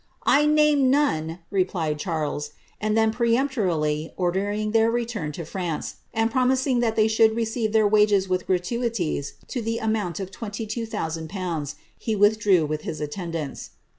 ^I name none," replied Charles; and then peremptorily denng their return to France, and promising that they should receive eir wages with gratuities, to the amount of 22,0002., he withdrew with s attendants.